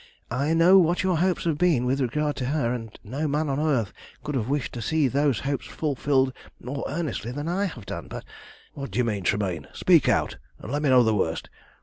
I know what your hopes have been with regard to her, and no man on earth could have wished to see those hopes fulfilled more earnestly than I have done, but" "What do you mean, Tremayne? Speak out, and let me know the worst.